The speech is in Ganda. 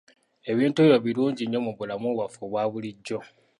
Ebintu ebyo birungi nnyo mu bulamu bwaffe obwa bulijjo.